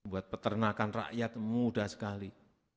buat peternakan rakyat mudah sekali